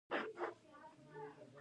د هند فضايي اداره ډیره بریالۍ ده.